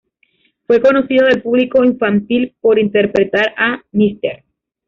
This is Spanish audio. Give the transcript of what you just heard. Fue conocido del público infantil por interpretar a Mr.